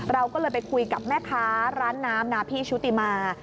เราก็เลยไปคุยกับแม่ค้าร้านน้ำนาพี่ชุติมา